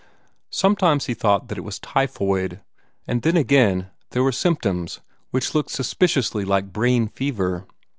Sometimes he thought that it was typhoid, and then again there were symptoms which looked suspiciously like brain fever.